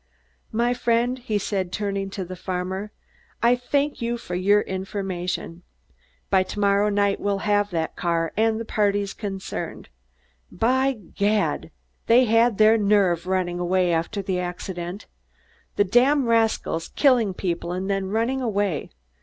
My friend," he said, turning to the farmer, "I thank you for your information. By to morrow night we'll have that car and the parties concerned. By gad! They had their nerve, running away after the accident. The damned rascals killing people and then running away.